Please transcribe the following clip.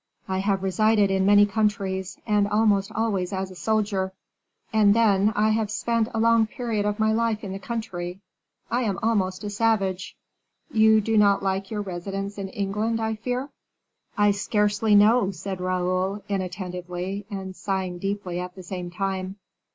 I have resided in many countries, and almost always as a soldier; and then, I have spent a long period of my life in the country. I am almost a savage." "You do not like your residence in England, I fear." "I scarcely know," said Raoul, inattentively, and sighing deeply at the same time.